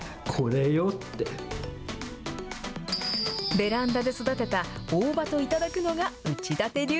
ベランダで育てた大葉と頂くのが、内館流。